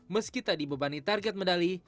meski tak dibebani target medali